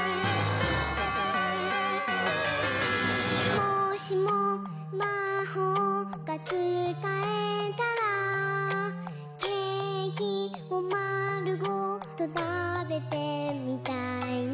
「もしもまほうがつかえたら」「ケーキをまるごとたべてみたいな」